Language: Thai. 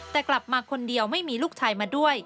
แต่กลับมาคนเดียวไม่มีลูกชายมาด้วย